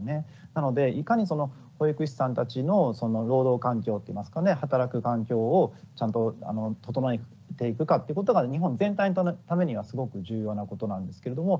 なのでいかにその保育士さんたちの労働環境っていいますかね働く環境をちゃんと整えていくかってことが日本全体のためにはすごく重要なことなんですけれども。